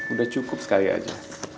udah cukup sekali aja